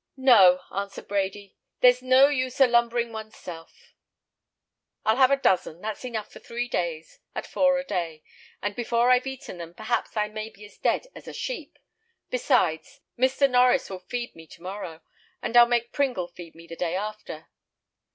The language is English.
"No," answered Brady, "there's no use a lumbering one's self. I'll have a dozen; that's enough for three days, at four a day, and before I've eaten them, perhaps I may be as dead as a sheep; besides, Mr. Norries will feed me to morrow, and I'll make Pringle feed me the day after."